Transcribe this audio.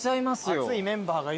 熱いメンバーがいる。